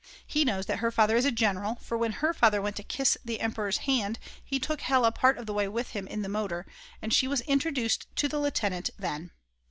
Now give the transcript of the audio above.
He knows that her father is a general, for when her father went to kiss the Emperor's hand he took Hella part of the way with him in the motor, and she was introduced to the lieutenant then.